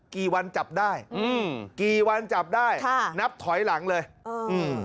กี่วันจับได้อืมกี่วันจับได้ค่ะนับถอยหลังเลยเอออืม